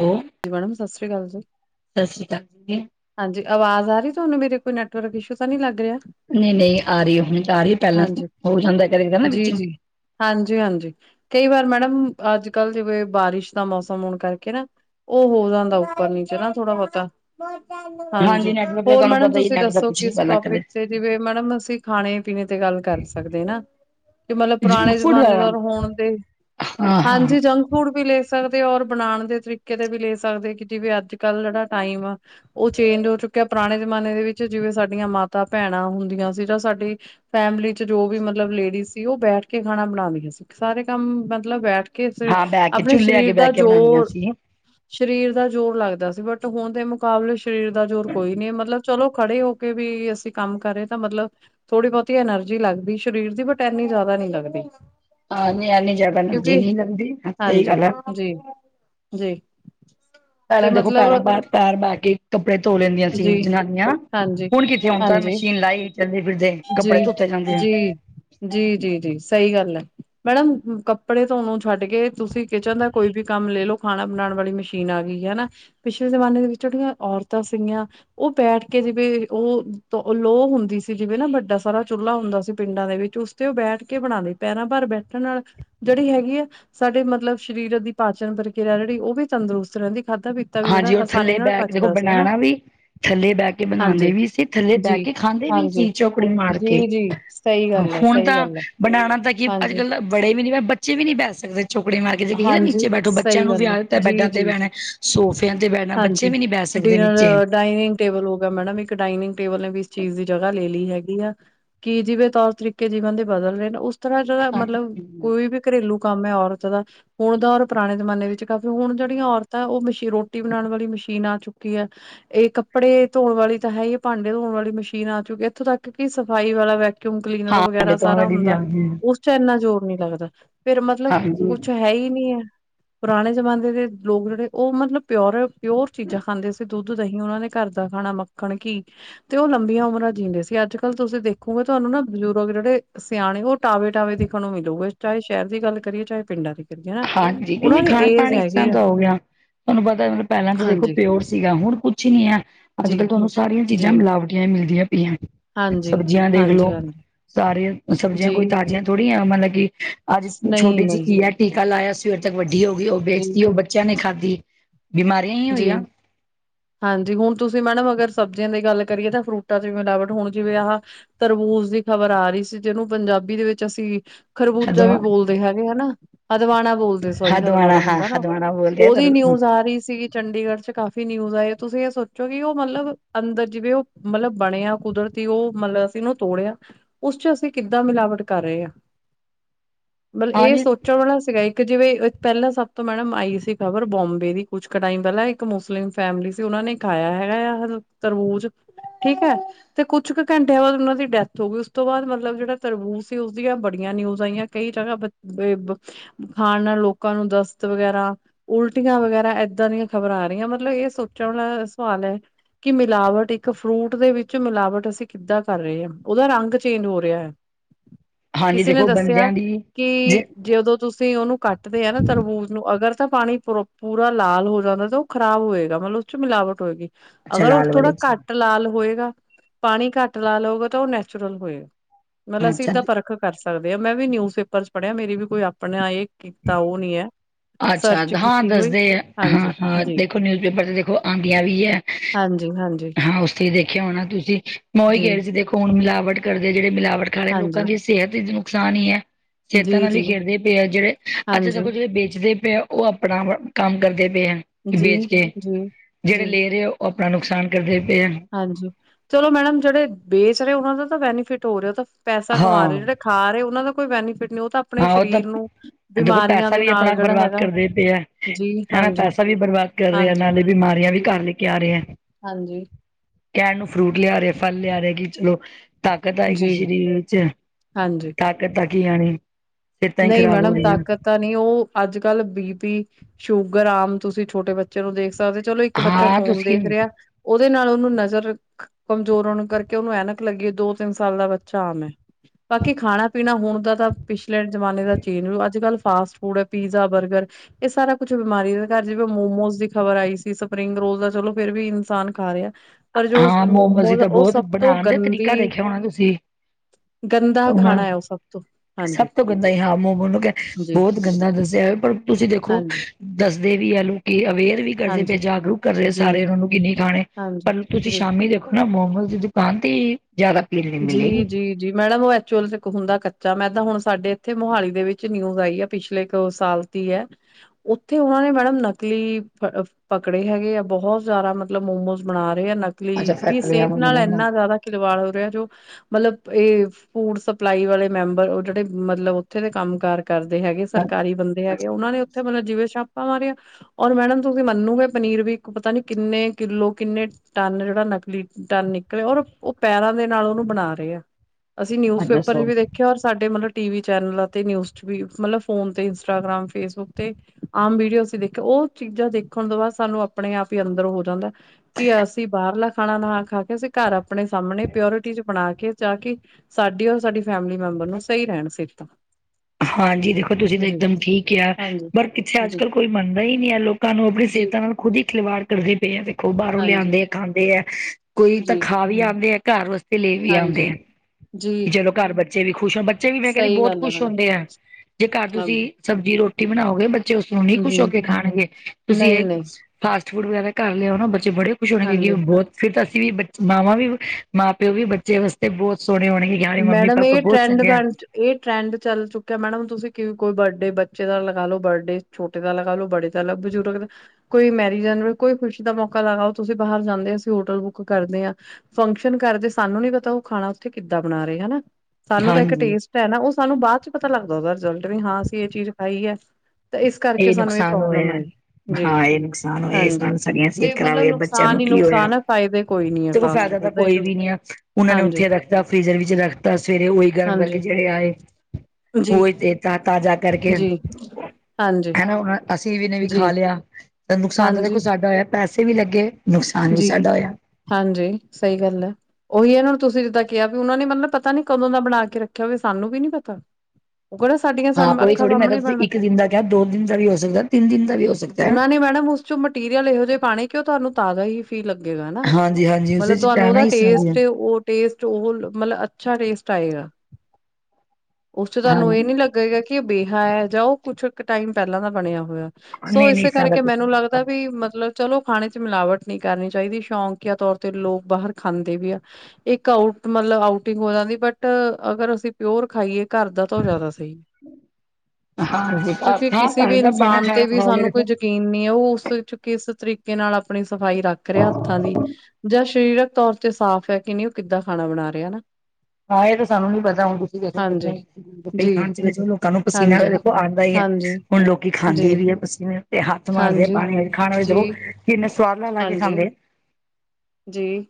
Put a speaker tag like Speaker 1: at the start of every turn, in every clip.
Speaker 1: Hello [unintelligible]
Speaker 2: madam ਸਤਿ ਸ਼੍ਰੀ ਅਕਾਲ ਜੀ
Speaker 1: ਸਤਿ ਸ਼੍ਰੀ ਅਕਾਲ ਜੀ
Speaker 2: ਹਾਂਜੀ ਆਵਾਜ਼ ਆ ਰਹੀ ਤੁਹਾਨੂੰ ਮੇਰੇ ਕੋਈ ਨੈਟਵਰਕ ਇਸ਼ੂ ਤਾਂ ਨਹੀਂ ਲੱਗ ਰਿਹਾ
Speaker 1: ਨਹੀਂ ਨਹੀਂ ਆ ਰਹੀ ਹੁਣ ਆ ਰਹੀ ਪਹਿਲਾਂ
Speaker 2: ਹਾਂਜੀ,
Speaker 1: ਹੋ ਜਾਂਦਾ ਕਦੇ ਨਾ ਵਿੱਚ
Speaker 2: ਹਾਂਜੀ ਹਾਂਜੀ ਕਈ ਵਾਰ ਮੈਡਮ ਅੱਜ ਕੱਲ ਜਿਵੇਂ ਬਾਰਿਸ਼ ਦਾ ਮੌਸਮ ਹੋਣ ਕਰਕੇ ਨਾ ਉਹ ਜਾਂਦਾ ਉੱਪਰ ਨੀਚੇ ਨਾ ਥੋੜ੍ਹਾ ਬਹੁਤਾ ਹਾਂਜੀ
Speaker 1: ਨੈਟਵਰਕ ਦਾ
Speaker 2: ਹੋਰ
Speaker 1: ਤੁਹਾਨੂੰ
Speaker 2: ਮੈਡਮ
Speaker 1: ਪਤਾ ਹੀ
Speaker 2: ਤੁਸੀਂ
Speaker 1: ਨੈਟ ਦਾ
Speaker 2: ਦੱਸੋ
Speaker 1: ਕੁਛ ਨੀ
Speaker 2: ਕਿਸ
Speaker 1: ਪਹਿਲਾਂ ਕਦੇ
Speaker 2: ਟੋਪਿਕ ਤੇ ਜਿਵੇਂ ਮੈਡਮ ਅਸੀਂ ਖਾਣੇ ਪੀਣੇ ਤੇ ਗੱਲ ਕਰ ਸਕਦੇ ਨਾ ਕਿ ਮਤਲਬ
Speaker 1: ਜੰਕ
Speaker 2: ਪੁਰਾਣੇ
Speaker 1: ਫੂਡ
Speaker 2: ਜਮਾਨੇ
Speaker 1: ਵਾਲਾ
Speaker 2: ਦਾ ਹੋਣ ਦੇ
Speaker 1: ਹਾਂ ਹਾਂ
Speaker 2: ਹਾਂਜੀ ਜੰਕ ਫੂਡ ਵੀ ਲੈ ਸਕਦੇ ਔਰ ਬਣਾਣ ਦੇ ਤਰੀਕੇ ਤੇ ਵੀ ਲੈ ਸਕਦੇ ਕਿ ਜਿਵੇਂ ਅੱਜ ਕੱਲ੍ਹ ਜਿਹੜਾ ਟਾਈਮ ਆ ਉਹ ਚੇਂਜ ਹੋ ਚੁੱਕਿਆ ਪੁਰਾਣੇ ਜਮਾਨੇ ਦੇ ਵਿੱਚ ਜਿਵੇਂ ਸਾਡੀਆਂ ਮਾਤਾ ਭੈਣਾਂ ਹੁੰਦੀਆਂ ਸੀ ਜਾਂ ਸਾਡੀ ਫੈਮਲੀ ਚ ਜੋ ਵੀ ਮਤਲਬ ਲੇਡੀਜ਼ ਸੀ ਉਹ ਬੈਠ ਕੇ ਖਾਣਾ ਬਣਾਂਦੀਆਂ ਸੀ ਸਾਰੇ ਕੰਮ ਮਤਲਬ ਬੈਠ ਕੇ ਕਿ
Speaker 1: ਹਾਂ ਬਹਿ ਕੇ
Speaker 2: ਆਪਣੇ
Speaker 1: ਚੁੱਲ੍ਹੇ ਅੱਗੇ
Speaker 2: ਸਰੀਰ
Speaker 1: ਬਹਿ
Speaker 2: ਦਾ
Speaker 1: ਕੇ ਬਣਾਉਂਦੀਆਂ
Speaker 2: ਜ਼ੋਰ
Speaker 1: ਸੀ
Speaker 2: ਸਰੀਰ ਦਾ ਜ਼ੋਰ ਲੱਗਦਾ ਸੀ ਬਟ ਹੁਣ ਦੇ ਮੁਕਾਬਲੇ ਸਰੀਰ ਦਾ ਜ਼ੋਰ ਕੋਈ ਨਹੀਂ ਮਤਲਬ ਚਲੋ ਖੜੇ ਹੋ ਵੀ ਅਸੀਂ ਕੰਮ ਕਰ ਰਹੇ ਤਾਂ ਮਤਲਬ ਥੋੜ੍ਹੀ ਬਹੁਤੀ ਐਨਰਜੀ ਲੱਗਦੀ ਸਰੀਰ ਦੀ ਬਟ ਇਨੀ ਜ਼ਿਆਦਾ ਨਹੀਂ ਲੱਗਦੀ
Speaker 1: ਹਾਂ ਇਨੀ ਜਿਆਦਾ ਐਨਰਜੀ
Speaker 2: ਕਿਉਂਕਿ
Speaker 1: ਨੀ ਲੱਦੀ ਸਹੀ
Speaker 2: ਹਾਂਜੀ,
Speaker 1: ਗੱਲ ਆ
Speaker 2: ਜੀ ਜੀ ਤੇ
Speaker 1: ਪਹਿਲਾਂ ਦੇਖੋ
Speaker 2: ਮਤਲਬ
Speaker 1: ਪੈਰਾਂ ਬਾਹਰ ਪੈਰ ਬ ਕੇ ਕੱਪੜੇ ਧੋ ਲੈਂਦੀਆਂ ਸੀ
Speaker 2: ਜੀ,
Speaker 1: ਜਨਾਨੀਆਂ
Speaker 2: ਹਾਂਜੀ,
Speaker 1: ਹੁਣ ਕਿੱਥੇ ਹੁਣ ਤਾਂ
Speaker 2: ਹਾਂਜੀ।
Speaker 1: ਮਸ਼ੀਨ ਲਾਈ ਚੱਲਦੇ ਫਿਰਦੇ
Speaker 2: ਜੀ,
Speaker 1: ਕੱਪੜੇ ਧੋਤੇ ਜਾਂਦੇ ਆ
Speaker 2: ਜੀ, ਜੀ ਜੀ ਜੀ ਸਹੀ ਗੱਲ ਹੈ ਮੈਡਮ ਕੱਪੜੇ ਧੋਣੋ ਛੱਡ ਕੇ ਤੁਸੀਂ ਕਿਚਨ ਦਾ ਕੋਈ ਵੀ ਕੰਮ ਲੈ ਲਓ ਖਾਣਾ ਬਣਾਉਣ ਵਾਲੀ ਮਸ਼ੀਨ ਮਸੀਨ ਆ ਗਈ ਹਨਾ ਪਿਛਲੇ ਜ਼ਮਾਨੇ ਦੇ ਵਿੱਚ ਜਿਹੜੀਆਂ ਔਰਤਾਂ ਸੀਗੀਆਂ ਉਹ ਬੈਠ ਕੇ ਜਿਵੇਂ ਉਹ ਲੋਹ ਹੁੰਦੀ ਸੀ ਹਨਾ ਵੱਡਾ ਸਾਰਾ ਚੁੱਲ੍ਹਾ ਹੁੰਦਾ ਸੀ ਪਿੰਡਾਂ ਦੇ ਵਿੱਚ ਉਸ ਤੇ ਉਹ ਬੈਠ ਕੇ ਬਣਾਂਦੇ ਪੈਰਾਂ ਭਾਰ ਬੈਠਣ ਨਾਲ ਜਿਹੜੀ ਹੈਗੀ ਆ ਸਾਡੇ ਮਤਲਬ ਸਰੀਰ ਦੀ ਪਾਚਨ ਪ੍ਰਕਿਰਿਆ ਜਿਹੜੀ ਉਹ ਵੀ ਤੰਦਰੁਸਤ ਰਹਿੰਦੀ ਖਾਦਾਂ ਪੀ
Speaker 1: ਹਾਂਜੀ ਉਹ ਥੱਲੇ ਬਹਿ ਕੇ ਦੇਖੋ ਬਣਾਉਣਾ ਵੀ ਥੱਲੇ ਬਹਿ ਕੇ ਬਣਾਉਂਦੇ
Speaker 2: ਹਾਂਜੀ,
Speaker 1: ਵੀ ਸੀ ਥੱਲੇ ਬਹਿ
Speaker 2: ਜੀ,
Speaker 1: ਕੇ ਖਾਂਦੇ ਵੀ
Speaker 2: ਹਾਂਜੀ।
Speaker 1: ਸੀ ਚੋਕੜੀ ਮਾਰ ਕੇ
Speaker 2: ਜੀ, ਜੀ ਸਹੀ ਗੱਲ ਐ,
Speaker 1: ਹੁਣ
Speaker 2: ਸਹੀ
Speaker 1: ਤਾਂ
Speaker 2: ਗੱਲ ਐ,
Speaker 1: ਬਣਾਉਣਾ ਤਾਂ ਕੀ ਅੱਜ
Speaker 2: ਹਾਂਜੀ,
Speaker 1: ਕੱਲ ਦਾ ਬੜੇ ਵੀ ਨਈ ਬੱਚੇ ਵੀ ਨੀ ਬਹਿ ਸਕਦੇ ਚੋਕੜੀ ਮਾਰ ਜੇ ਕਹੀ ਨਾ
Speaker 2: ਹਾਂਜੀ
Speaker 1: ਨੀਚੇ ਬੈਠੋ ਬੱਚਿਆਂ
Speaker 2: ਸਹੀ
Speaker 1: ਨੂੰ ਵੀ
Speaker 2: ਗੱਲ ਐ,
Speaker 1: ਆ ਦਿੱ
Speaker 2: ਜੀ,
Speaker 1: ਬੈਡਾਂ
Speaker 2: ਜੀ,
Speaker 1: ਤੇ
Speaker 2: ਜੀ।
Speaker 1: ਬੈਣਾ ਸੋਫਿਆਂ ਤੇ ਬਹਿਣਾ ਬੱਚੇ
Speaker 2: ਹਾਂਜੀ
Speaker 1: ਵੀ ਨੀ ਬਹਿ ਸਕਦੇ ਨੀਚੇ
Speaker 2: ਡਿਨਰ ਡਾਇਨਿੰਗ ਟੇਬਲ ਹੋਗਾ ਮੈਡਮ ਇੱਕ ਡਾਇਨਿੰਗ ਟੇਬਲ ਨੇ ਵੀ ਇਸ ਚੀਜ਼ ਦੀ ਜਗ੍ਹਾ ਲੈ ਲਈ ਹੈਗੀ ਆ ਕੀ ਜਿਵੇਂ ਤੌਰ ਤਰੀਕੇ ਜੀਵਨ ਦੇ ਬਦਲ ਰਹੇ ਨੇ ਉਸ ਤਰ੍ਹਾਂ ਤਰ੍ਹਾਂ ਮਤਲਬ
Speaker 1: ਹਾਂਜੀ
Speaker 2: ਕੋਈ ਵੀ ਘਰੇਲੂ ਕੰਮ ਹੈ ਔਰਤ ਦਾ ਹੁਣ ਤਾਂ ਔਰ ਪੁਰਾਣੇ ਜ਼ਮਾਨੇ ਵਿੱਚ ਕਾਫੀ ਹੁਣ ਜਿਹੜੀਆਂ ਔਰਤਾ ਹੈ ਉਹ ਮਸ਼ੀ ਰੋਟੀ ਬਣਾਉਣ ਵਾਲੀ ਮਸ਼ੀਨ ਆ ਚੁੱਕੀ ਹੈ ਇਹ ਕੱਪੜੇ ਧੋਣ ਵਾਲੀ ਤਾਂ ਹੈ ਹੀ ਭਾਂਡੇ ਧੋਣ ਵਾਲੀ ਮਸ਼ੀਨ ਆ ਚੁੱਕੀ ਇੱਥੋਂ ਤੱਕ ਕਿ ਸਫ਼ਾਈ ਵਾਲਾ ਕਿਉਂ ਕਲੀਨਰ
Speaker 1: ਹਾਂ ਭਾਂਡੇ
Speaker 2: ਵਗੈਰਾ
Speaker 1: ਧੋਣ
Speaker 2: ਸਾਰਾ
Speaker 1: ਵਾਲੀ ਵੀ
Speaker 2: ਹੁੰਦਾ
Speaker 1: ਆਉਂਦੀ ਹੈ
Speaker 2: ਉਸ ਚ ਇੰਨਾ ਜ਼ੋਰ ਨੀ ਲੱਗਦਾ ਫਿਰ ਮਤਲਬ
Speaker 1: ਹਾਂਜੀ
Speaker 2: ਕੁਛ ਹੈ ਹੀ ਨੀ ਐ ਪੁਰਾਣੇ ਜ਼ਮਾਨੇ ਦੇ ਲੋਕ ਜਿਹੜੇ ਉਹ ਮਤਲਬ ਪਿਓਰ ਪਿਓਰ ਚੀਜ਼ਾਂ ਖਾਂਦੇ ਸੀ ਦੁੱਧ ਦਹੀਂ ਉਹਨਾਂ ਨੇ ਘਰਦਾ ਖਾਣਾ ਮੱਖਣ ਕੀ ਤੇ ਉਹ ਲੰਬੀਆਂ ਉਮਰਾਂ ਜੀਂਦੇ ਸੀ ਅੱਜ ਕੱਲ ਤੁਸੀਂ ਦੇਖੋਗੇ ਤੁਹਾਨੂੰ ਨਾ ਬਜ਼ੁਰਗ ਜਿਹੜੇ ਸਿਆਣੇ ਉਹ ਟਾਵੇ ਟਾਵੇ ਦੇਖਣ ਨੂੰ ਮਿਲੂਗਾ ਚਾਹੇ ਸ਼ਹਿਰ ਦੀ ਗੱਲ ਕਰੀਏ ਚਾਹੇ ਪਿੰਡਾਂ ਦੀ ਕਰੀਏ ਨਾ
Speaker 1: ਹਾਂਜੀ ਤੂੰ
Speaker 2: ਉਹਨਾਂ
Speaker 1: ਵੀ
Speaker 2: ਦੀ
Speaker 1: ਖਾਣ
Speaker 2: ਏਜ
Speaker 1: ਪਾਣ ਇਸ
Speaker 2: ਹੈਗੀ
Speaker 1: ਤਰ੍ਹਾਂ
Speaker 2: ਆ
Speaker 1: ਦਾ ਹੋ ਗਿਆ ਤੁਹਾਨੂੰ ਪਤਾ ਮਤਲਬ ਪਹਿਲਾਂ ਤਾਂ ਦੇਖੋ
Speaker 2: ਹਾਂਜੀ
Speaker 1: ਪਿਓਰ ਸੀਗਾ ਹੁਣ ਕੁੱਛ ਹੀ ਨਹੀਂ ਹੈ ਅੱਜ
Speaker 2: ਜੀ
Speaker 1: ਕੱਲ੍ਹ ਤੁਹਾਨੂੰ ਸਾਰੀਆਂ
Speaker 2: ਜੀ
Speaker 1: ਚੀਜ਼ਾਂ ਮਿਲਾਵ ਮਿਲਦੀਆਂ ਪੀਆਂ
Speaker 2: ਹਾਂਜੀ
Speaker 1: ਸਬਜ਼ੀਆਂ
Speaker 2: ਹਾਂਜੀ
Speaker 1: ਦੇਖਲਓ
Speaker 2: ਹਾਂਜੀ
Speaker 1: ਸਾਰੇ ਸਬਜ਼ੀਆਂ ਕੋਈ
Speaker 2: ਜੀ
Speaker 1: ਤਾਜ਼ੀਆਂ ਥੋੜੀ ਆ ਮਤਲਬ ਕਿ ਅੱਜ
Speaker 2: ਨਹੀਂ
Speaker 1: ਛੋਟੀ ਜਿਹੀ
Speaker 2: ਨਹੀਂ
Speaker 1: ਕੀ ਹੈ ਟੀਕਾ ਲਾਇਆ ਸਵੇਰ ਤੱਕ ਵੱਡੀ ਹੋ ਗਈ ਉਹ
Speaker 2: ਜੀ
Speaker 1: ਵੇਚਤੀ ਉਹ ਬੱਚਿਆਂ ਨੇ ਖਾਧੀ ਬਿਮਾਰੀਆਂ ਹੀ
Speaker 2: ਜੀ
Speaker 1: ਹੋਈਆਂ
Speaker 2: ਹਾਂਜੀ ਹੁਣ ਤੁਸੀਂ ਮੈਡਮ ਅਗਰ ਸਬਜ਼ੀਆਂ ਦੀ ਗੱਲ ਕਰੀਏ ਤਾਂ ਫਰੂਟਾਂ ਚ ਵੀ ਮਿਲਾਵਟ ਹੁਣ ਜਿਵੇਂ ਆਹ ਤਰਬੂਜ਼ ਦੀ ਖ਼ਬਰ ਆ ਰਹੀ ਸੀ ਜਿਹਨੂੰ ਪੰਜਾਬੀ ਦੇ ਵਿੱਚ ਅਸੀਂ ਖਰਬੂਜਾ ਵੀ
Speaker 1: ਹਦਵਾ
Speaker 2: ਬੋਲਦੇ ਹੈਗੇ ਹਨਾ ਹਦਵਾਣਾ ਬੋਲਦੇ ਸੋਰੀ ਹਦਵਾਣਾ
Speaker 1: ਹਾਂ
Speaker 2: ਹੁੰਦਾ ਨਾ
Speaker 1: ਹਦਵਾਣਾ ਬੋਲਦੇ
Speaker 2: ਉਹਦੀ ਨਿਊਜ਼ ਆ ਰਹੀ ਸੀਗੀ ਚੰਡੀਗੜ੍ਹ ਚ ਕਾਫ਼ੀ ਨਿਊਜ਼ ਆਈ ਤੁਸੀਂ ਇਹ ਸੋਚੋ ਕਿ ਉਹ ਮਤਲਬ ਅੰਦਰ ਜਿਵੇਂ ਉਹ ਮਤਲਬ ਬਣਿਆ ਕੁਦਰਤ ਤੇ ਉਹ ਮਤਲਬ ਅਸੀਂ ਜਿਨੂੰ ਤੋੜਿਆ ਉਸ ਚ ਅਸੀਂ ਕਿੱਦਾਂ ਮਿਲਾਵਟ ਕਰ ਰਹੇ ਹਾਂ ਪਰ ਇਹ
Speaker 1: ਹਾਂਜੀ
Speaker 2: ਸੋਚੋ ਵਾਲਾ ਸੀਗਾ ਇੱਕ ਜਿਵੇਂ ਪਹਿਲਾਂ ਸਭ ਤੋਂ ਮੈਡਮ ਆਈ ਸੀ ਖ਼ਬਰ ਬੋੰਬੇ ਦੀ ਕੁਛ ਕਾਮਈ ਵਾਲਾ ਇੱਕ ਮੁਸਲਿਮ ਫੈਮਿਲੀ ਸੀ ਉਹਨਾ ਨੇ ਖਾਇਆ ਹੈਗਾ ਆ ਤਰਬੂਜ ਠੀਕ ਹੈ ਤੇ ਕੁਛ ਕੁ ਘੰਟਿਆਂ ਬਾਅਦ ਉਹਨਾਂ ਦੀ ਡੈਥ ਹੋ ਗਈ ਉਸ ਤੋਂ ਬਾਅਦ ਮਤਲਬ ਜਿਹੜਾ ਤਰਬੂਜ ਸੀ ਉਸਦੀਆਂ ਬੜੀਆਂ ਨਿਊਜ਼ ਆਈਆਂ ਕਈ ਜਗ੍ਹਾ ਬ ਖਾਣ ਨਾਲ ਲੋਕਾਂ ਨੂੰ ਦਸਤ ਵਗੈਰਾ ਉਲਟੀਆਂ ਵਗੈਰਾ ਇੱਦਾਂ ਦੀਆਂ ਖ਼ਬਰਾਂ ਆ ਰਹੀਆਂ ਮਤਲਬ ਇਹ ਸੋਚਣ ਵਾਲਾ ਸਵਾਲ ਹੈ ਕਿ ਮਿਲਾਵਟ ਇੱਕ ਫਰੂਟ ਦੇ ਵਿੱਚ ਮਿਲਾਵਟ ਅਸੀਂ ਕਿੱਦਾਂ ਕਰ ਰਹੇ ਹਾਂ ਉਹਦਾ ਰੰਗ ਚੇਂਜ ਹੋ ਰਿਹਾ ਹੈ
Speaker 1: ਹਾਂਜੀ
Speaker 2: ਕਿਸੇ ਨੇ
Speaker 1: ਦੇਖੋ
Speaker 2: ਦੱਸਿਆ
Speaker 1: ਬੰਦਿਆਂ ਦੀ
Speaker 2: ਕਿ
Speaker 1: ਜੇ
Speaker 2: ਜਦੋਂ ਤੁਸੀਂ ਉਹਨੂੰ ਕੱਟਦੇ ਆ ਨਾ ਤਰਬੂਜ਼ ਨੂੰ ਅਗਰ ਤਾਂ ਪਾਣੀ ਪ ਪੂਰਾ ਲਾਲ ਹੋ ਜਾਂਦਾ ਤਾਂ ਉਹ ਖ਼ਰਾਬ ਹੋਏਗਾ ਮਤਲਬ ਉਸ ਚ ਮਿਲਾਵਟ ਹੋਏਗੀ
Speaker 1: ਅੱਛਾ
Speaker 2: ਅਗਰ ਉਹ
Speaker 1: ਲਾਲ
Speaker 2: ਥੋੜ੍ਹਾ
Speaker 1: ਵਾਲੇ
Speaker 2: ਘੱਟ ਲਾਲ ਹੋਏਗਾ ਪਾਣੀ ਘੱਟ ਲਾਲ ਹੋਗਾ ਤਾਂ ਉਹ ਨੈਚੁਰਲ ਹੋਏਗਾ। ਮਤਲਬ ਅਸੀਂ
Speaker 1: ਅੱਛਾ
Speaker 2: ਇਦਾ ਪਰਖ ਕਰ ਸਕਦੇ ਹਾਂ ਮੈਂ ਵੀ ਨਿਊਜ਼ ਪੇਪਰ ਚ ਪੜ੍ਹਿਆ ਮੇਰੀ ਵੀ ਕੋਈ ਆਪਣਾ ਇਹ ਕੀਤਾ ਉਹ ਨੀ ਹੈ
Speaker 1: ਅੱਛਾ
Speaker 2: ਸਰਚ
Speaker 1: ਹਾਂ
Speaker 2: ਕੀਤੀ ਹੋਈ।
Speaker 1: ਦੱਸਦੇ ਆ
Speaker 2: ਹਾਂਜੀ
Speaker 1: ਹਾਂ ਹਾਂ
Speaker 2: ਜੀ
Speaker 1: ਦੇਖੋ ਨਿਊਜ਼ਪੇਪਰ ਤੇ ਦੇਖੋ ਆਉਦੀਆਂ ਵੀ ਹੈ।
Speaker 2: ਹਾਂਜੀ ਹਾਂਜੀ।
Speaker 1: ਹਾਂ ਉਸ ਤੇ ਦੇਖਿਆ ਹੋਣਾ ਤੁਸੀਂ ਮੈ ਉਹੀ
Speaker 2: ਜੀ
Speaker 1: ਕਹਿ ਰਹੀ ਸੀ ਦੇਖੋ ਕੌਣ ਮਿਲਾਵਟ ਕਰਦੇ ਜਿਹੜੇ ਮਿਲਾਵਟ ਖਾ ਰਹੇ ਲੋਕਾਂ
Speaker 2: ਹਾਂਜੀ
Speaker 1: ਦੀ ਸਿਹਤ ਵਿੱਚ ਨੁਕਸਾਨ ਹੀ ਹੈ। ਸਿਹਤਾਂ
Speaker 2: ਜੀ
Speaker 1: ਨਾਲ ਹੀ
Speaker 2: ਜੀ
Speaker 1: ਖੇਡਦੇ ਪਏ ਆ ਜਿਹੜੇ ਅੱਛਾ
Speaker 2: ਹਾਂਜੀ
Speaker 1: ਦੇਖੋ ਜਿਹੜੇ ਵੇਚਦੇ ਵੇਚਦੇ ਪਏ ਆ ਉਹ ਆਪਣਾ ਕੰਮ ਕਰਦੇ ਪਏ ਹੈ
Speaker 2: ਜੀ
Speaker 1: ਵੇਚ ਕੇ
Speaker 2: ਜੀ
Speaker 1: ਜਿਹੜੇ
Speaker 2: ਜੀ
Speaker 1: ਲੈ ਰਹੇ ਉਹ ਆਪਣਾ ਨੁਕਸਾਨ ਕਰਦੇ ਪਏ ਆ।
Speaker 2: ਹਾਂਜੀ ਚਲੋ ਮੈਡਮ ਜਿਹੜੇ ਵੇਚ ਰਹੇ ਉਹਨਾਂ ਦਾ ਤਾਂ ਬੈਨੀਫਿਟ ਹੋ ਰਿਹਾ ਉਹ ਤਾਂ ਪੈਸਾ ਕਮਾ ਰਹੇ
Speaker 1: ਹਾਂ
Speaker 2: ਜਿਹੜਾ ਖਾ ਰਹੇ ਉਹਨਾਂ ਦਾ ਕੋਈ ਬੈਨੀਫਿਟ ਨਹੀਂ ਉਹ ਤਾਂ ਆਪਣੇ
Speaker 1: ਹਾਂ ਉਹ ਤਾਂ
Speaker 2: ਸਰੀਰ ਨੂੰ
Speaker 1: ਦੇਖੋ
Speaker 2: ਬਿਮਾਰੀਆਂ
Speaker 1: ਪੈਸਾ
Speaker 2: ਦੇ
Speaker 1: ਵੀ
Speaker 2: ਨਾਲ
Speaker 1: ਆਪਣਾ
Speaker 2: ਜਿਹੜਾ
Speaker 1: ਬਰਬਾਦ
Speaker 2: ਹੈਗਾ
Speaker 1: ਕਰਦੇ ਪਏ ਆ
Speaker 2: ਜੀ
Speaker 1: ਹਨਾ
Speaker 2: ਹਾਂਜੀ
Speaker 1: ਪੈਸਾ ਵੀ ਬਰਬਾਦ ਕਰ ਰਿਹਾ
Speaker 2: ਹਾਂਜੀ
Speaker 1: ਨਾਲੇ ਬਿਮਾਰੀਆਂ ਵੀ
Speaker 2: ਜੀ
Speaker 1: ਘਰ ਲੈ ਕੇ ਆ ਰਹੇ ਹੈ।
Speaker 2: ਹਾਂਜੀ।
Speaker 1: ਕਹਿਣ ਨੂੰ ਫਰੂਟ ਲਿਆ ਰਹੇ ਫਲ ਲਿਆ ਰਹੇ ਕਿ ਚਲੋ ਤਾਕਤ ਆਏਗੀ
Speaker 2: ਜੀ
Speaker 1: ਸਰੀਰ ਵਿੱਚ
Speaker 2: ਹਾਂਜੀ
Speaker 1: ਤਾਕਤ ਆ ਕੀ ਆਣੀ ਸਿਹਤਾਂ ਹੀ
Speaker 2: ਨਹੀਂ
Speaker 1: ਖ਼ਰਾਬ ਹੋ
Speaker 2: ਮੈਡਮ
Speaker 1: ਰਹੀਆਂ
Speaker 2: ਤਾਕਤ ਤਾਂ ਨਹੀਂ ਉਹ ਅੱਜ ਕੱਲ ਬੀ ਪੀ ਸ਼ੂਗਰ ਆਮ ਤੁਸੀਂ ਛੋਟੇ ਬੱਚੇ ਨੂੰ ਦੇਖ ਸਕਦੇ ਚਲੋ ਇੱਕ ਬੱਚਾ
Speaker 1: ਹਾਂ
Speaker 2: ਫੋਨ
Speaker 1: ਤੁਸੀਂ
Speaker 2: ਦੇਖ ਰਿਹਾ ਉਹਦੇ ਨਾਲ ਉਹਨੂੰ ਨਜ਼ਰ ਕਮਜ਼ੋਰ ਹੋਣ ਕਰਕੇ ਉਹਨੂੰ ਐਨਕ ਲੱਗੀ ਦੋ ਤਿੰਨ ਸਾਲ ਦਾ ਬੱਚਾ ਆਮ ਹੈ। ਬਾਕੀ ਖਾਣਾ ਪੀਣਾ ਹੋਣ ਦਾ ਤਾਂ ਪਿੱਛੇ ਜ਼ਮਾਨੇ ਦਾ ਚੇਂ ਅੱਜ ਕੱਲ੍ਹ ਫਾਸਟ ਪੀਜ਼ਾ ਬਰਗਰ ਇਹ ਸਾਰਾ ਕੁਛ ਬਿਮਾਰੀ ਘਰ ਜਿਵੇਂ ਮੋਮੋਜ਼ ਦੀ ਖ਼ਬਰ ਆਈ ਸੀ ਸਪਰਿੰਗ ਰੋਲ ਦਾ ਚਲੋ ਫਿਰ ਵੀ ਇਨਸਾਨ ਖਾ ਰਿਹਾ। ਪਰ ਜੋ
Speaker 1: ਹਾਂ ਮੋਮੋਸ
Speaker 2: ਮੋਮੋ
Speaker 1: ਦੀ ਤਾਂ
Speaker 2: ਉਹ
Speaker 1: ਬਹੁਤ
Speaker 2: ਸਭ ਤੋਂ
Speaker 1: ਬਣਾਉਣ ਦਾ
Speaker 2: ਗੰਦੀ
Speaker 1: ਤਰੀਕਾ ਦੇਖਿਆ ਹੋਣਾ ਤੁਸੀਂ
Speaker 2: ਗੰਦਾ ਖਾਣਾ ਹੈ ਉਹ ਸਭ ਤੋਂ ਹਾਂਜੀ।
Speaker 1: ਨਹੀ ਹਾਂ ਮੂਮੋ ਨੂੰ
Speaker 2: ਜੀ,
Speaker 1: ਬੋਤ ਗੰਦਾ ਦੱਸਿਆ ਪਰ ਤੁਸੀਂ ਦੇਖੋ
Speaker 2: ਹਾਂਜੀ,
Speaker 1: ਦੱਸਦੇ ਵੀ ਹੈ ਲੋਕੀ ਅਵੇਅਰ ਵੀ ਕਰਦੇ
Speaker 2: ਹਾਂਜੀ,
Speaker 1: ਜਾਗਰੂਕ ਕਰ ਰਹੇ
Speaker 2: ਜੀ,
Speaker 1: ਸਾਰੇ ਉਹਨਾਂ ਨੂੰ ਕਿ ਨਹੀਂ ਖਾਣੇ
Speaker 2: ਹਾਂਜੀ,
Speaker 1: ਪਰ ਤੁਸੀਂ
Speaker 2: ਜੀ।
Speaker 1: ਸ਼ਾਮੀ ਦੇਖੋ ਨਾ ਮੋਮੋ ਦੀ ਦੁਕਾਨ ਤੇ ਜ਼ਿਆਦਾ ਪੀੜ।
Speaker 2: ਜੀ ਜੀ। ਜੀ ਮੈਡਮ ਉਹ ਐਕਚੁਅਲ ਹੁੰਦਾ ਕੱਚਾ ਮੈਦਾ ਹੁਣ ਸਾਡੇ ਇੱਥੇ ਮੋਹਾਲੀ ਦੇ ਵਿੱਚ ਨਿਊਜ਼ ਆਈ ਆ ਪਿਛਲੇ ਕੁ ਸਾਲ ਦੀ ਏ ਉੱਥੇ ਉਹਨਾਂ ਨੇ ਮੈਡਮ ਨਕਲੀ ਪਕੜੇ ਹੈਗੇ ਆ ਬਹੁਤ ਜ਼ਿਆਦਾ ਮਤਲਬ ਮੋਮੋਜ਼ ਬਣਾ ਰਹੇ ਆ
Speaker 1: ਅੱਛਾ
Speaker 2: ਨਕਲੀ ਕਿ
Speaker 1: ਫੈਕਟਰੀਆਂ
Speaker 2: ਸਿਹਤ ਨਾਲ
Speaker 1: ਬਣੀਆਂ ਨੇ
Speaker 2: ਇੰਨਾ ਜ਼ਿਆਦਾ ਖਿਲਵਾੜ ਹੋ ਰਿਹਾ ਜੋ ਮਤਲਬ ਇਹ ਫੂਡ ਸਪਲਾਈ ਵਾਲੇ ਮੈਂਬਰ ਉਹ ਜਿਹੜੇ ਮਤਲਬ ਉੱਥੇ ਦੇ ਕੰਮ ਕਾਰ ਕਰਦੇ ਹੈਗੇ
Speaker 1: ਹਾਂਜੀ
Speaker 2: ਸਰਕਾਰੀ ਬੰਦੇ ਹੈਗੇ ਉਹਨਾਂ ਨੇ ਉੱਥੇ ਮਤਲਬ
Speaker 1: ਅੱਛਾ
Speaker 2: ਜਿਵੇਂ ਛਾਪਾ ਮਾਰਿਆ ਔਰ ਮੈਡਮ ਤੁਸੀਂ ਮੰਨੋਗੇ ਪਨੀਰ ਵੀ ਪਤਾ ਨੀ ਕਿੰਨੇ ਕਿੱਲੋ ਕਿੰਨੇ ਟਨ ਜਿਹੜਾ ਨਕਲੀ ਟਨ ਨਿਕਲਿਆ ਔਰ ਉਹ ਪੈਰਾਂ ਦੇ ਨਾਲ ਉਹਨੂੰ ਬਣਾ ਰਹੇ ਆ ਅਸੀਂ ਨਿਊਜ਼ ਪੇਪਰ ਚ
Speaker 1: ਦੱਸੋ
Speaker 2: ਵੀ ਦੇਖਿਆ ਔਰ ਸਾਡੇ ਮਤਲਬ ਟੀ ਵੀ ਚੈਨਲ ਅਤੇ ਨਿਊਜ਼ ਵੀ ਮਤਲਬ ਫੋਨ ਤੇ ਇੰਸਟਾਗ੍ਰਾਮ ਫੇਸਬੁੱਕ ਤੇ ਆਮ ਵੀਡੀਓ ਅਸੀਂ ਦੇਖਿਆ ਉਹ ਚੀਜ਼ਾਂ ਦੇਖਣ ਤੋਂ ਬਾਅਦ ਸਾਨੂੰ ਆਪਣੇ ਆਪ ਹੀ ਅੰਦਰ ਹੋ ਜਾਂਦਾ ਕਿ ਅਸੀਂ ਬਾਹਰਲਾ ਖਾਣਾ ਨਾ ਖਾ ਕੇ ਅਸੀਂ ਘਰ ਆਪਣੇ ਸਾਹਮਣੇ ਪਿਓਰਿਟੀ ਚ ਬਣਾ ਕੇ ਜਾ ਕੇ ਸਾਡੀ ਔਰ ਸਾਡੀ ਫੈਮਿਲੀ ਮੈਂਬਰ ਨੂੰ ਸਹੀ ਰਹਿਣ ਸਿਹਤ
Speaker 1: ਹਾਂਜੀ ਦੇਖੋ ਤੁਸੀਂ ਤਾਂ ਇੱਕਦਮ ਠੀਕ ਕਿਹਾ।
Speaker 2: ਹਾਂਜੀ,
Speaker 1: ਪਰ ਕਿੱਥੇ ਅੱਜ
Speaker 2: ਜੀ,
Speaker 1: ਕੱਲ੍ਹ ਕੋਈ ਮੰਨਦਾ ਹੀ ਨਹੀਂ ਹੈ ਲੋਕਾਂ ਨੂੰ ਆਪਣੀ
Speaker 2: ਜੀ,
Speaker 1: ਸਿਹਤਾਂ ਨਾਲ ਖੁਦ ਹੀ ਖਿਲਵਾੜ ਕਰਦੇ ਪਏ ਆ ਦੇਖੋ ਬਾਹਰੋਂ
Speaker 2: ਹਾਂਜੀ,
Speaker 1: ਲਿਆਂਦੇ ਆ ਖਾਂਦੇ ਆ। ਕੋਈ ਤਾਂ
Speaker 2: ਜੀ,
Speaker 1: ਖਾ ਵੀ ਆਉਂਦੇ ਆ ਘਰ ਵਾਸਤੇ ਲੈ ਵੀ ਆਉਂਦੇ
Speaker 2: ਹਾਂਜੀ, ਜੀ।
Speaker 1: ਆ ਚਲੋ ਘਰ ਬੱਚੇ ਵੀ ਖੁਸ਼ ਹੋਣ ਬੱਚੇ ਵੀ ਮੈਂ ਕਹਿੰਦੀ
Speaker 2: ਸਹੀ
Speaker 1: ਬਹੁਤ
Speaker 2: ਗੱਲ ਹੈ
Speaker 1: ਖੁਸ਼
Speaker 2: ਮੈਡਮ
Speaker 1: ਹੁੰਦੇ ਆ ਜੇ ਘਰ ਤੁਸੀਂ
Speaker 2: ਹਾਂਜੀ।
Speaker 1: ਸਬਜ਼ੀ ਰੋਟੀ ਬਣਾਓਗੇ ਬੱਚੇ ਬੱਚੇ ਉਸਨੂੰ ਨੀ ਖੁਸ਼
Speaker 2: ਜੀ,
Speaker 1: ਹੋਕੇ ਖਾਣਗੇ, ਤੁਸੀਂ ਇਹ
Speaker 2: ਨਹੀਂ-ਨਹੀਂ
Speaker 1: ਫਾਸਟ-ਫੂਡ ਵਗੈਰਾ ਘਰ ਲਿਆਓ ਨਾ ਬੱਚੇ ਬੜੇ ਖੁਸ਼ ਹੋਣਗੇ ਕਿ
Speaker 2: ਹਾਂਜੀ।
Speaker 1: ਬਹੁਤ, ਫਿਰ ਤਾਂ ਅਸੀਂ ਵੀ ਬ ਮਾਵਾਂ ਵੀ, ਮਾਂ-ਪਿਓ ਵੀ ਬੱਚੇ ਵਾਸਤੇ, ਬਹੁਤ ਸੋਹਣੇ ਹੋਣਗੇ। ਕਿ ਹਾਂ ਮੰਮੀ
Speaker 2: ਮੈਡਮ
Speaker 1: ਪਾਪਾ
Speaker 2: ਇਹ
Speaker 1: ਬਹੁਤ
Speaker 2: ਟਰੈਂਡ
Speaker 1: ਚੰਗੇ ਆ
Speaker 2: ਬਣ ਇਹ ਟਰੈਂਡ ਚੱਲ ਚੁੱਕਿਆ ਮੈਡਮ ਤੁਸੀਂ, ਕਿ ਕੋਈ ਬਰਡੇ ਬੱਚੇ ਦਾ ਲਗਾ ਲਓ, ਬਰਡੇ ਟ ਦਾ ਲਗਾਲੋ, ਬੜੇ ਦਾ, ਬਜ਼ੁਰਗ ਦਾ ਕੋਈ ਮੈਰਿਜਨ, ਕੋਈ ਖੁਸ਼ੀ ਦਾ ਮੌਕਾ ਲਗਾਓ, ਤੁਸੀਂ ਬਾਹਰ ਜਾਂਦੇ ਹੋ, ਅਸੀਂ ਹੋਟਲ ਬੁੱਕ ਕਰਦੇ ਹਾਂ। ਫੰਕਸ਼ਨ ਕਰਦੇ ਸਾਨੂੰ ਨੀ ਪਤਾ ਉਹ ਖਾਣਾ ਉੱਥੇ ਕਿੱਦਾਂ ਬਣਾ ਰਹੇ ਹਨਾ। ਸਾਨੂੰ ਤਾਂ ਇੱਕ
Speaker 1: ਹਾਂਜੀ
Speaker 2: ਟੇਸਟ ਨਾ, ਉਹ ਸਾਨੂੰ ਬਾਅਦ'ਚ ਪਤਾ ਲੱਗਦਾ ਉਹਦਾ ਰਿਜਲਟ, ਵੀ ਹਾਂ ਅਸੀਂ ਇਹ ਚੀਜ਼ ਖਾਈ ਐ।
Speaker 1: ਏ ਨੁਕਸਾਨ ਹੋਇਆ।
Speaker 2: ਜੀ
Speaker 1: ਹਾਂ ਇਹ ਨੁਕਸਾਨ ਹੋਇਆ, ਇਸ
Speaker 2: ਹਾਂਜੀ
Speaker 1: ਨਾਲ ਸਾਡੀਆਂ
Speaker 2: ਤੇ
Speaker 1: ਸਿਹਤ ਖਰਾਬ
Speaker 2: ਮਤਲਬ
Speaker 1: ਹੋਈਆ, ਬੱਚਿਆਂ
Speaker 2: ਨੁਕਸਾਨ
Speaker 1: ਨੂੰ
Speaker 2: ਹੀ
Speaker 1: ਕੀ ਹੋਇਆ।
Speaker 2: ਨੁਕਸਾਨ ਹੈ ਫਾਇਦੇ ਕੋਈ ਨੀ ਹੈ
Speaker 1: ਦੇਖੋ
Speaker 2: ਫਾਸਟ
Speaker 1: ਫਾਇਦਾ ਤਾਂ
Speaker 2: ਫੂਡ ਦੇ
Speaker 1: ਕੋਈ ਵੀ ਨਹੀ ਆ, ਉਹਨਾਂ ਨੇ
Speaker 2: ਹਾਂਜੀ
Speaker 1: ਉੱਥੇ ਰੱ ਫ੍ਰੀਜ਼ਰ ਵਿੱਚ ਰੱਖਤਾ, ਸਵੇਰੇ ਉਹੀ ਗਰਮ
Speaker 2: ਹਾਂਜੀ
Speaker 1: ਕਰਕੇ ਜਿਹੜੇ ਆਏ,
Speaker 2: ਜੀ
Speaker 1: ਉਹੀ ਦੇਤਾ ਤਾਜਾ ਕੇ ਕਰਕੇ
Speaker 2: ਜੀ ਹਾਂਜੀ,
Speaker 1: ਹਨਾ ਹੁਣ ਅਸੀਂ ਵੀਨੇ ਵੀ
Speaker 2: ਜੀ,
Speaker 1: ਖਾਲਿਆ, ਤੇ ਨੁਕਸਾਨ ਤਾਂ ਦੇਖੋ
Speaker 2: ਹਾਂਜੀ,
Speaker 1: ਸਾਡਾ ਹੋਇਆ। ਪੈਸੇ ਵੀ ਲੱਗੇ ਨੁਕਸਾਨ ਵੀ
Speaker 2: ਜੀ,
Speaker 1: ਸਾਡਾ ਹੋਇਆ।
Speaker 2: ਹਾਂਜੀ, ਸਹੀ ਗੱਲ ਐ। ਉਹੀ ਏ ਨਾਂ ਨੂੰ ਤੁਸੀਂ ਜਿੱਦਾਂ ਕਿਆ, ਵੀ ਉਹਨਾਂ ਨੇ ਮਤਲਬ ਪਤਾ ਨੀ ਕਦੋਂ ਦਾ ਬਣਾਕੇ ਰੱਖਿਆ ਹੋਵੇ, ਸਾਨੂੰ ਵੀ ਨੀ ਪਤਾ। ਉਹ ਕਿਹੜਾ ਸਾਡੀਆਂ ਸ,
Speaker 1: ਹਾਂ ਕੋਈ
Speaker 2: ਅੱਖਾਂ
Speaker 1: ਥੋੜੀ ਮੈਂ ਤਾਂ
Speaker 2: ਸਾਹਮਣੇ ਪੈਣਾ।
Speaker 1: ਇੱਕ ਦਿਨ ਦਾ ਕਿਹਾ ਦੋ ਦਿਨ ਦਾ ਵੀ ਹੋ ਸਕਦਾ ਤਿੰਨ ਦਿਨ ਦਾ ਵੀ ਹੋ ਸਕਦਾ ਹੈ
Speaker 2: ਉਹਨਾਂ ਨੇ ਮੈਡਮ ਉਸ ਓ'ਚ ਮਟੀਰੀਅਲ ਇਹੋ ਜਹੇ ਪਾਣੇ ਕਿ, ਓ ਤੁਹਾਨੂੰ ਤਾਜ਼ਾ ਹੀ ਲੱਗੇਗਾ ਹਨਾ,
Speaker 1: ਹਾਂਜੀ ਹਾਂਜੀ ਉਸੇ
Speaker 2: ਮਤਲਬ
Speaker 1: ਚ
Speaker 2: ਤੁਹਾਨੂੰ
Speaker 1: ਪੈਣਾ
Speaker 2: ਉਹਦਾ
Speaker 1: ਹੀ ਇਸ ਤਰ੍ਹਾਂ ਦੀ ਹੈ।
Speaker 2: ਟੇਸਟ ਏ, ਉਹ ਟੇਸਟ ਉਹ, ਮਤਲਬ ਅੱਛਾ ਟੇਸਟ ਆਏਗਾ। ਉਸ'ਚ ਤੁਹਾਨੂੰ
Speaker 1: ਹਾਂਜੀ
Speaker 2: ਇਹ ਨੀ ਲੱ ਲੱਗੇਗਾ ਕਿ, ਇਹ ਬੇਹਾ ਹੈ, ਜਾਂ ਉਹ ਕੁੱਛ ਕੁ ਟਾਈਮ ਪਹਿਲਾਂ ਦਾ ਬਣਿਆ ਹੋਇਆ। ਸੋ
Speaker 1: ਨਹੀਂ ਨਹੀਂ
Speaker 2: ਇਸੇ
Speaker 1: ਇਸ ਤਰ੍ਹਾਂ ਦਾ
Speaker 2: ਕਰਕੇ
Speaker 1: ਕੁਛ
Speaker 2: ਮੈਨੂੰ
Speaker 1: ਨੀ
Speaker 2: ਲੱਗਦਾ
Speaker 1: ਹੁੰਦਾ
Speaker 2: ਵੀ, ਮਤਲਬ ਚਲੋ, ਖਾਣੇ ਮਿਲਾਵਟ ਨਹੀਂ ਕਰਨੀ ਚਾਹੀਦੀ। ਸ਼ੌਂਕੀਆਂ ਤੌਰ ਤੇ, ਲੋਕ ਬਾਹਰ ਖਾਂਦੇ ਵੀ ਆ। ਇੱਕ ਆਊਟ, ਮਤਲਬ ਆਊਟਿੰਗ ਹੋ ਜਾਂਦੀ, ਬਟ ਅਗਰ ਅਸੀਂ ਪਿਓਰ ਖਾਈਏ ਘਰ ਦਾ ਤੋ, ਜ਼ਿਆਦਾ ਸਹੀ।
Speaker 1: ਹਾਂਜੀ
Speaker 2: ਕਿਉਂਕਿ
Speaker 1: ਹਾਂ
Speaker 2: ਕਿਸੇ
Speaker 1: ਘਰ
Speaker 2: ਵੀ
Speaker 1: ਦਾ ਬਣਾ
Speaker 2: ਇਨਸਾਨ ਤੇ
Speaker 1: ਖਾਣਾ
Speaker 2: ਵੀ,
Speaker 1: ਖਾਓਗੇ
Speaker 2: ਸਾਨੂੰ ਕੋਈ
Speaker 1: ਦੇਖੋ
Speaker 2: ਯਕੀਨ ਨੀ ਹੈ, ਉਹ ਉਸ'ਚ ਕਿਸ ਤਰੀਕੇ ਨਾਲ ਆਪਣੀ ਸਫ਼ਾਈ ਰੱਖ ਰਿਹਾ ਹੱਥਾਂ ਦੀ। ਜਾਂ ਸਰੀਰਕ ਤੌਰ ਤੇ ਸਾਫ਼ ਹੈ, ਕਿ ਨਹੀਂ, ਉਹ ਕਿੱਦਾਂ ਖਾਣਾ ਬਣਾ ਰਿਹਾ ਹਨਾ?
Speaker 1: ਹਾਂ, ਇਹ ਤਾਂ ਸਾਨੂੰ ਨੀ ਪਤਾ, ਹੁਣ ਤੁਸੀਂ ਦੇਖੋ ਕਿਦੇ
Speaker 2: ਹਾਂਜੀ,
Speaker 1: ਹੋ ਰੋਟੀ
Speaker 2: ਜੀ,
Speaker 1: ਖਾਣ ਚਲੇ ਜੋ ਲੋਕਾਂ ਨੂੰ ਪਸੀਨਾ
Speaker 2: ਹਾਂਜੀ,
Speaker 1: ਦੇਖੋ ਆਉਂਦਾ ਹੀਏ,
Speaker 2: ਹਾਂਜੀ,
Speaker 1: ਹੁਣ ਲੋਕੀ
Speaker 2: ਜੀ,
Speaker 1: ਖਾਂਦੇ ਵੀ ਨੇ ਪਸੀਨਾ ਤੇ ਹੱਥ ਮਾਰਦੇ ਆ,
Speaker 2: ਹਾਂਜੀ।
Speaker 1: ਪਾਣੀ ਵਿੱਚ ਖਾਣੇ ਵਿੱਚ
Speaker 2: ਜੀ,
Speaker 1: ਓ, ਕਿ ਇੰਨੇ ਸੁਆਦ ਨਾਲ ਲਾਕੇ
Speaker 2: ਹਾਂਜੀ,
Speaker 1: ਖਾਂਦੇ ਆ।
Speaker 2: ਜੀ,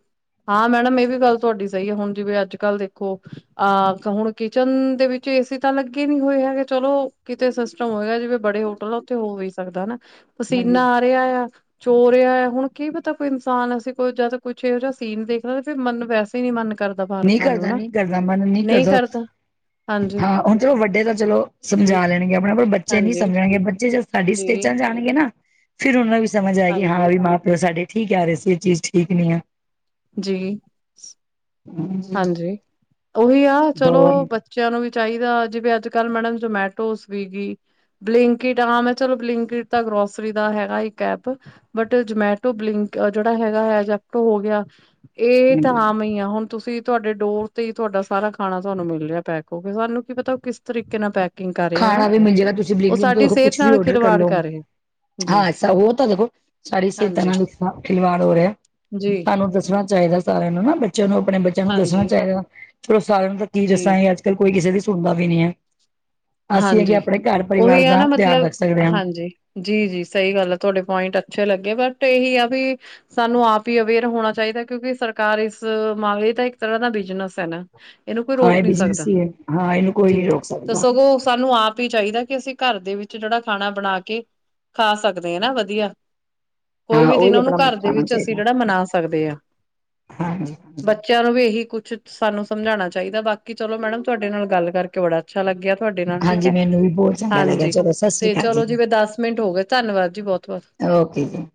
Speaker 2: ਹਾਂ ਮੈਡਮ ਇਹ ਵੀ ਗੱਲ ਤੁਹਾਡੀ ਸਹੀ ਹੈ, ਹੁਣ ਜਿਵੇਂ ਅੱਜ-ਕੱਲ ਦੇਖੋ ਅਹ, ਹੁਣ ਕਿਚਨ ਦੇ ਵਿੱਚ ਏਸੀ ਤਾਂ ਲੱਗੇ ਨਹੀਂ ਹੋਏ ਹੈਗੇ, ਚਲੋ ਕਿਤੇ ਸਿਸਟਮ ਹੋਏਗਾ ਜਿਵੇਂ ਬੜੇ ਮਤਲਬ, ਉੱਥੇ ਹੋ ਵੀ ਸਕਦਾ ਹਨਾ।
Speaker 1: ਹਾਂਜੀ
Speaker 2: ਪਸੀਨਾ ਆ ਰਿਹਾ ਯਾ, ਚੋ ਰਿਹਾ ਆ, ਹੁਣ ਕੀ ਪਤਾ ਕੋਈ ਇਨਸਾਨ ਅਸੀਂ ਕੋਈ ਜਾਦਾ ਕੁਛ ਇਹੋ ਜਿਹਾ ਸੀਨ ਦੇਖਦਾ, ਤੇ ਫਿਰ ਮਨ ਨੂੰ ਵੈਸ ਨੀ ਮਨ ਕਰਦਾ ਬਾਹਰ
Speaker 1: ਨਹੀਂ
Speaker 2: ਖਾਣ ਨੂੰ,
Speaker 1: ਕਰਦਾ
Speaker 2: ਹਨਾ,
Speaker 1: ਨਹੀਂ ਕਰਦਾ ਮਨ
Speaker 2: ਨਹੀਂ ਕਰਦਾ। ਹਾਂਜੀ
Speaker 1: ਹਾਂ, ਹੁਣ ਚਲੋ ਵੱਡੇ ਤਾਂ ਚਲੋ
Speaker 2: ਜੀ
Speaker 1: ਸਮਝਾ ਲੈਣਗੇ ਆਪਣੇ-ਆਪ ਨੂੰ, ਬੱਚੇ ਨਹੀਂ
Speaker 2: ਹਾਂਜੀ
Speaker 1: ਸਮਝਣਗੇ, ਬੱਚੇ ਜ ਸਾਡੀ
Speaker 2: ਜੀ
Speaker 1: ਸਟੇਜਾਂ ਆਣਗੇ ਨਾ, ਫਿਰ ਉਹਨਾ ਨੂੰ ਵੀ ਸਮਝ ਆਏਗੀ, ਹਾਂ,
Speaker 2: ਹਾਂਜੀ
Speaker 1: ਵੀ ਮਾਂ-ਪਿਓ ਸਾਡੇ ਠੀਕ ਕਹਿ ਰਹੇ ਸੀ, ਇਹ ਚੀਜ਼ ਠੀਕ ਨਹੀਂ ਆ।
Speaker 2: ਜੀ। ਹਾਂਜੀ। ਉਹੀ ਆ, ਚਲੋ ਬੱ
Speaker 1: ਬਹੁਤ
Speaker 2: ਬੱਚਿਆਂ ਨੂੰ ਵੀ ਚਾਹੀਦਾ, ਜਿਵੇਂ ਅੱਜ-ਕੱਲ ਮੈਡਮ ਜਮੈਟੋ, ਸਵੀਗੀ ਬਲਿੰਕੀਟ ਹਾਂ, ਮੈਂ ਚਲੋ ਬਲਿੰਕੀਟ ਤਾਂ ਗ੍ਰੌਸਰੀ ਦਾ ਹੈਗਾ, ਇੱਕ ਐਪ। ਬਟ ਜਮੈਟੋ, ਬਲਿੰਕ ਜਿਹੜਾ ਹੈਗਾ ਹੈ ਜੈਕਟੋ ਹੋਗਿਆ, ਇਹ ਤਾਂ ਆਮ ਹੀ ਆ, ਹੁਣ। ਤੁਸੀਂ, ਤੁਹਾਡੇ ਡੋਰ ਤੇ ਹੀ ਤੁਹਾਡਾ ਸਾਰਾ ਖਾਣਾ ਤੁਹਾਨੂੰ ਮਿਲ ਰਿਹਾ ਪੈਕ ਹੋਕੇ, ਸਾਨੂੰ ਕੀ ਪਤਾ ਕਿਸ ਤਰੀਕੇ ਨਾਲ ਪੈਕ
Speaker 1: ਖਾਣਾ ਵੀ ਮਿਲਜੇਗਾ, ਤੁਸੀਂ ਬਿ੍ਲਿੰਕੀਟ ਤੋਂ,
Speaker 2: ਸਿਹਤ
Speaker 1: ਕੁਛ ਵੀ
Speaker 2: ਨਾਲ
Speaker 1: ਔਰਡਰ
Speaker 2: ਖਿਲਵਾੜ
Speaker 1: ਕਰਲੋ।
Speaker 2: ਕਰ ਰਹੇ
Speaker 1: ਹਾਂ,
Speaker 2: ਜੀ
Speaker 1: ਐਸਾ ਉਹ ਤਾਂ ਦੇਖੋ, ਸਾਡੀ ਸਿਹਤਾਂ
Speaker 2: ਹਾਂਜੀ
Speaker 1: ਨਾਲ ਖਿਲਵਾੜ ਹੋ ਰਿਹਾ।
Speaker 2: ਜੀ
Speaker 1: ਸਾੰਨੂਂ ਦੱਸਣਾ ਚਾਹੀਦਾ ਸਾਰਿਆਂ ਨੂੰ ਨਾ ਬੱਚਿਆਂ ਨੂੰ ਆਪਣੇ ਬੱਚਿਆਂ ਨੂੰ ਦੱਸਣਾ
Speaker 2: ਹਾਂਜੀ
Speaker 1: ਚਾਹੀਦਾ ਚਲੋ ਸਾਰਿਆਂ ਨੂੰ ਤਾਂ ਕੀ
Speaker 2: ਜੀ
Speaker 1: ਦੱਸਾਂਗੇ ਅੱਜ ਕੋਈ ਕਿਸੇ ਦੀ ਸੁਣਦਾ ਵੀ ਨੀ ਹੈ ਅਸੀਂ ਹੈਗੇ
Speaker 2: ਹਾਂਜੀ
Speaker 1: ਆਪਣੇ ਘਰ ਪਰਿਵਾਰ
Speaker 2: ਉਹੀ ਆ
Speaker 1: ਦਾ
Speaker 2: ਨਾ
Speaker 1: ਧਿਆਨ
Speaker 2: ਮਤਲਬ
Speaker 1: ਰੱਖ ਸਕਦੇ ਹਾਂ।
Speaker 2: ਹਾਂਜੀ ਜੀ ਜੀ ਸਹੀ ਗੱਲ ਆ ਤੁਹਾਡੇ ਪੁਆਇੰਟ ਅੱਛੇ ਲੱਗੇ ਬਟ ਇਹੀ ਆ ਵੀ ਸਾਨੂੰ ਆਪ ਹੀ ਅਵੇਅਰ ਹੋਣਾ ਚਾਹੀਦਾ ਕਿਉਂਕਿ ਸਰਕਾਰ ਇਸ ਮਾਮਲੇ ਦਾ ਇੱਕ ਤਰ੍ਹਾਂ ਦਾ ਬਿਜਨਸ ਹੈ ਨਾ ਇਹਨੂੰ ਕੋਈ
Speaker 1: ਹਾਂ
Speaker 2: ਰੋਕ
Speaker 1: ਇਹ
Speaker 2: ਨਹੀਂੀ ਸਕਦਾ
Speaker 1: ਬਿਜਨਸ ਹੀ ਹੈ ਹਾਂ ਇਹਨੂੰ ਕੋਈ
Speaker 2: ਜੀ
Speaker 1: ਨਹੀਂ ਰੋਕ
Speaker 2: ਤਾਂ
Speaker 1: ਸਕਦਾ।
Speaker 2: ਸਗੋਂ ਸਾਨੂੰ ਆਪ ਹੀ ਚਾਹੀਦਾ ਕਿ ਅਸੀਂ ਘਰ ਦੇ ਵਿੱਚ ਜਿਹੜਾ ਖਾਣਾ ਬਣਾ ਕੇ ਖਾ ਸਕਦੇ ਆ ਨਾ ਵਧੀਆ ਕੋਈ
Speaker 1: ਹਾਂ
Speaker 2: ਵੀ ਦਿਨ
Speaker 1: ਉਹੀ
Speaker 2: ਉਹਨੂੰ
Speaker 1: ਆਪਣਾ
Speaker 2: ਘਰ ਦੇ
Speaker 1: ਖਾਣਾ
Speaker 2: ਵਿੱਚ ਅਸੀਂ
Speaker 1: ਚਾਹੀਦਾ
Speaker 2: ਜਿਹੜਾ ਮਨਾ ਸਕਦੇ ਹਾਂ
Speaker 1: ਹਾਂਜੀ। ਹਾਂਜੀ
Speaker 2: ਬੱਚੇ ਚਲੋ ਵੀ ਇਹੀ ਕੁੱਛ ਸਾਨੂੰ ਸਮਝਾਉਣਾ ਚਾਹੀਦਾ। ਬਾਕੀ ਚਲੋ, ਮੈਡਮ ਤੁਹਾਡੇ ਨਾਲ ਗੱਲ ਕਰਕੇ ਬੜਾ ਅੱਛਾ ਲੱਗਿਆ ਤੁਹਾਡੇ ਨਾਲ ਠੀਕ
Speaker 1: ਹਾਂਜੀ,
Speaker 2: ਹੈ।
Speaker 1: ਮੈਨੂੰ ਵੀ ਬਹੁਤ ਚੰਗਾ ਲੱਗਿਆ
Speaker 2: ਹਾਂਜੀ
Speaker 1: ਚਲੋ ਸਤਿ ਸ੍ਰੀ
Speaker 2: ਤੇ
Speaker 1: ਅਕਾਲ
Speaker 2: ਚਲੋ ਜੀ, ਦਸ ਮਿੰਟ ਹੋ ਗਏ, ਧੰਨਵਾਦ ਜੀ ਬਹੁਤ ਬਹੁਤ।
Speaker 1: ਔਕੇ ਜੀ।